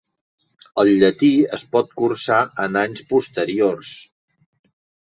El llatí es pot cursar en anys posteriors.